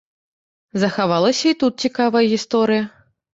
Захавалася і тут цікавая гісторыя.